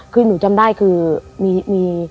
คือหนูจำได้คือมี